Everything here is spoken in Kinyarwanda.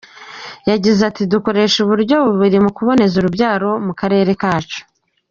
Yagize ati “Dukoresha uburyo bubiri mu kuboneza urubyaro mu karere kacu.